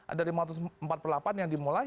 ada lima ratus empat puluh delapan yang dimulai